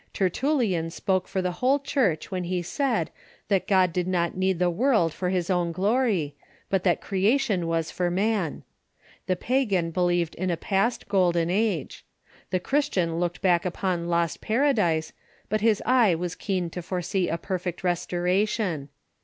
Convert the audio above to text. Tertullian spoke for the whole Church when he said that God did not need the world for his own glory, but that creation Avas for man. The pagan believed in a past golden age. The Christian looked back upon lost Paradise, but his e^'^e w^as keen to foresee a perfect restoration.